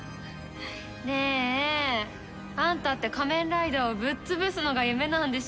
ねえ。あんたって仮面ライダーをぶっ潰すのが夢なんでしょ？